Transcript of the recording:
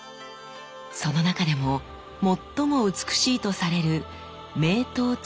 その中でも最も美しいとされる名刀中の名刀です。